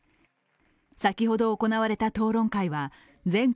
先ほど行われた討論会は全国